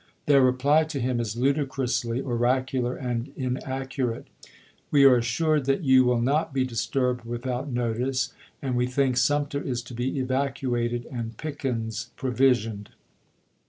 ^"p^^^S Their reply to him is ludicrously oracular and inaccurate: "We are assured that you will not be xhecom disturbed without notice, and we think Sumter is toSeii, to be evacuated and Pickens provisioned."